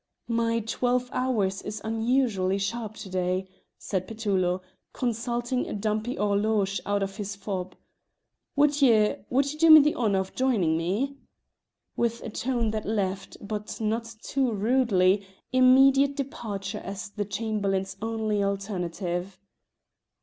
"My twelve hours is unusual sharp to day," said Petullo, consulting a dumpy horologe out of his fob. "Would ye would ye do me the honour of joining me?" with a tone that left, but not too rudely, immediate departure as the Chamberlain's only alternative.